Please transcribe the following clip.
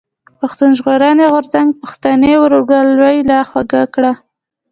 پښتون ژغورني غورځنګ پښتني ورورګلوي لا خوږه کړه.